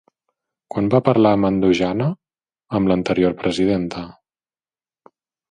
Quan va parlar Mandojana amb l'anterior presidenta?